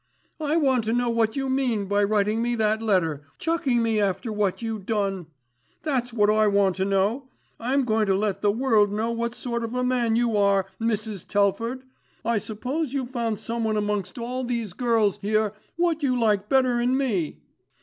I want to know what you mean by writing me that letter—chucking me after what you done. That's what I want to know. I'm going to let all the world know what sort of a man you are, Mrs. Telford. I suppose you've found someone amongst all these gurls here what you like better'n me."